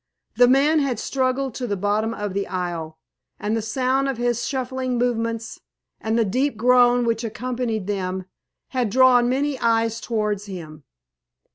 The man had struggled to the bottom of the aisle, and the sound of his shuffling movements, and the deep groan which accompanied them, had drawn many eyes towards him.